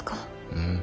うん。